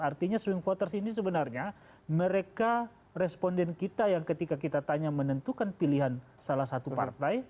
artinya swing voters ini sebenarnya mereka responden kita yang ketika kita tanya menentukan pilihan salah satu partai